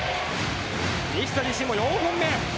西田自身も４本目。